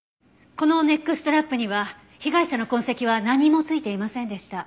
このネックストラップには被害者の痕跡は何も付いていませんでした。